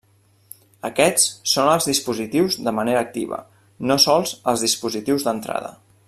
Aquests són els dispositius de manera activa, no sols els dispositius d'entrada.